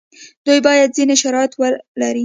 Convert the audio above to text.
دوی باید ځینې شرایط ولري.